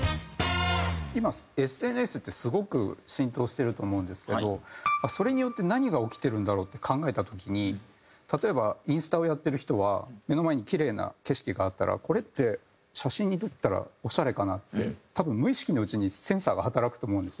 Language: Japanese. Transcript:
今ＳＮＳってすごく浸透してると思うんですけどそれによって何が起きてるんだろうって考えた時に例えばインスタをやってる人は目の前にキレイな景色があったらこれって写真に撮ったらオシャレかなって多分無意識のうちにセンサーが働くと思うんですよ。